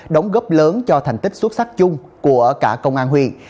đóng góp lớn cho thành tích xuất sắc chung của cả công an huyện